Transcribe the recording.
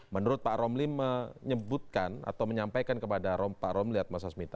menurut pak romli menyebutkan atau menyampaikan kepada pak romli atmasasmita